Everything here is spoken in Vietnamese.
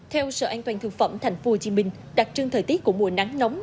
theo sở an toàn thực phẩm tp hcm đặc trưng thời tiết của mùa nắng nóng